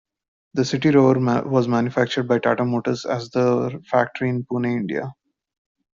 The CityRover was manufactured by Tata Motors, at their factory in Pune, India.